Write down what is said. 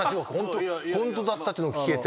ホントだったっていうのを聞けて。